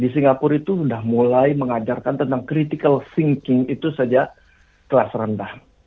di singapura itu sudah mulai mengajarkan tentang critical thinking itu sejak kelas rendah